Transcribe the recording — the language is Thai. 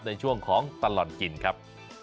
ในช่วงของตลอดกินครับ